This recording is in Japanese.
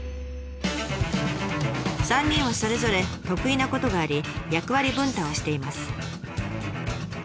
３人はそれぞれ得意なことがあり役割分担をしています。